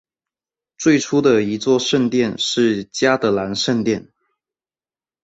最初的一座圣殿是嘉德兰圣殿。